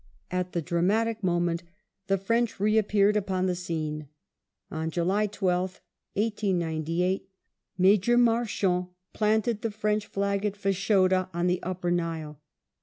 At the dramatic moment the French reappeared upon the scene. On July 12th, 1898, Major Marchand planted the French flag at Fashoda on the Upper Nile.